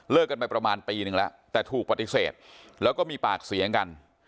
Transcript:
กันไปประมาณปีนึงแล้วแต่ถูกปฏิเสธแล้วก็มีปากเสียงกัน